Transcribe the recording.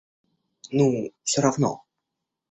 Ну, всё равно.